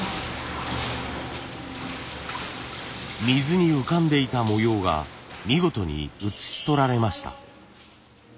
水に浮かんでいた模様が見事に写し取られました。